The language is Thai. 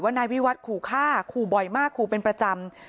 นายวิวัตรขู่ฆ่าขู่บ่อยมากขู่เป็นประจำ